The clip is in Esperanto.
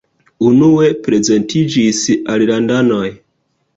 Unue prezentiĝis alilandanoj.